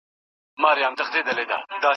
ماشومان ولې په انګړ کې دي؟